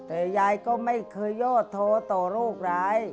แต่ยายก็ไม่เคยยอดโทต่อโรคร้าย